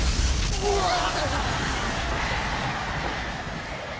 うわっ！